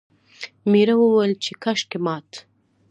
میړه وویل چې کاشکې مات...